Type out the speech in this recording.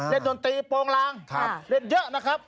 ดนตรีโปรงลางเล่นเยอะนะครับ